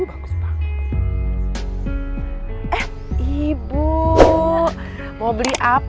aku kebelin lagi